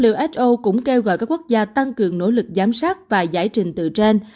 who cũng kêu gọi các quốc gia tăng cường nỗ lực giám sát và giải trình từ trên